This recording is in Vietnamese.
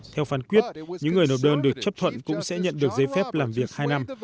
theo phán quyết những người nộp đơn được chấp thuận cũng sẽ nhận được giấy phép làm việc hai năm